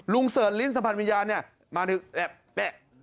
เสิร์ชลิ้นสัมผัสวิญญาณเนี่ยมาถึงแอบแปะ